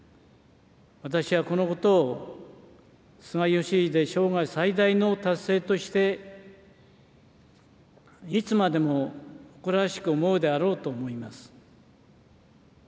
私はこのことを菅義偉生涯最大の達成として、いつまでも誇らしく思うであろうと思います。